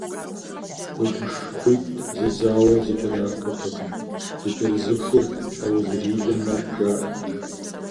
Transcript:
Гуэгушыхъуитӏ зэзауэ зэкӏэрахуртэкъым, зэкӏэрызыхур щхьэузрилэ мэхъу, жаӏэрти.